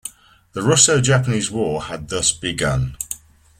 The Russo-Japanese war had thus begun.